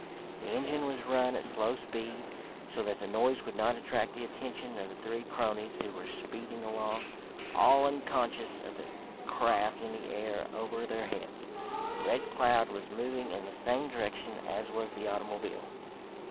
The engine was run at slow speed, so that the noise would not attract the attention of the three cronies who were speeding along, all unconscious of the craft in the air over their heads. The Red Cloud was moving in the same direction as was the automobile.